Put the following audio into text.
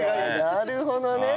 なるほどね。